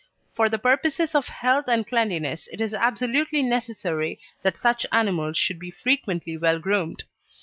For the purposes of health and cleanliness it is absolutely necessary that such animals should be frequently well groomed.